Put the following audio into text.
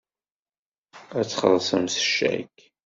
Ad txellṣem s ccak.